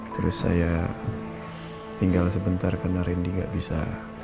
terus saya tinggal sebentar karena randy nggak bisa